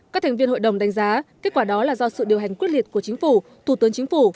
các thành viên hội đồng đánh giá kết quả đó là do sự điều hành quyết liệt của chính phủ thủ tướng chính phủ